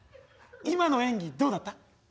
今の演技どうだった？